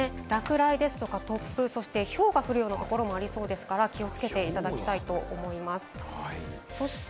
落雷や、突風、ひょうが降るところもありそうですから、気をつけていただきたいと思います。